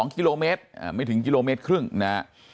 ๒กิโลเมตรไม่ถึงกิโลเมตรครึ่งนะฮะ